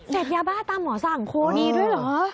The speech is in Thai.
เสพยาบ้าตามหมอสั่งคุณมีด้วยเหรอ